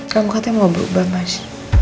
kamu katanya mau berubah mas